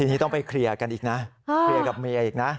ทีนี้ต้องไปเคลียร์กันอีกนะเคลียร์กับเมียอีกนะ